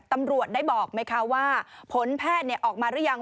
ตำรวจได้บอกไหมคะว่าผลแพทย์ออกมาหรือยัง